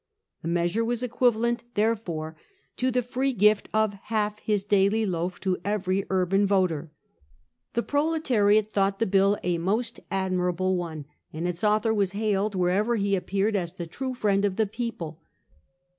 The measure was equivalent, therefore, to the free gift of half his daily loaf to every urban voter. The proletariate thought the bill a most admirable one, and its author was hailed, wherever he appeared, as the true friend of the people.